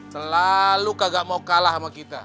selalu kagak mau kalah sama kita